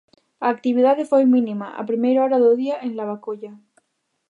A actividade foi mínima a primeira hora do día en Lavacolla.